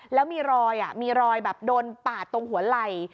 แล้วมีรอยมีรอยแบบโดนปาดตรงหัวไหล่